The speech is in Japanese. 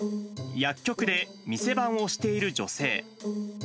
薬局で店番をしている女性。